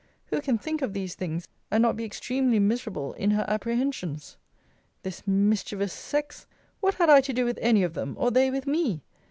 Who can think of these things, and not be extremely miserable in her apprehensions! This mischievous sex! What had I to do with any of them; or they with me?